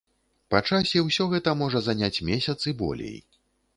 Па часе ўсё гэта можа заняць месяц і болей.